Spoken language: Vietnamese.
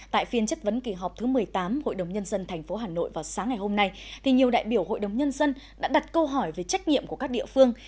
tại phiên chất vấn kỳ họp thứ một mươi tám hội đồng nhân dân tp hà nội vào sáng ngày hôm nay nhiều đại biểu hội đồng nhân dân đã đặt câu hỏi về trách nhiệm của các địa phương